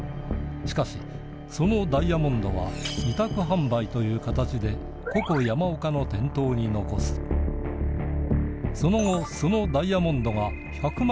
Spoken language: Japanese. しかしそのダイヤモンドは委託販売という形でココ山岡の店頭に残すその後そのダイヤモンドが１００万円で客に売れたとする